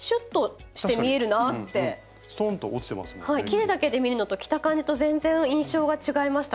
生地だけで見るのと着た感じと全然印象が違いました。